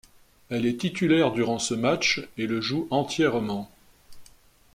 Elle est titulaire durant ce match et le joue entièrement.